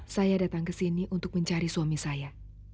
saya datang kesini untuk mencari suami saya